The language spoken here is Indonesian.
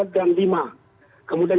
dan lima kemudian